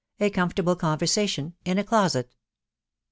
A COMFORTABLE CONVERSATION IN A. CLOSET.